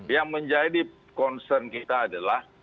yang menjadi concern kita adalah